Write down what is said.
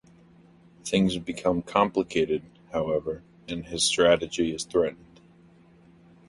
Things become complicated, however, and his strategy is threatened.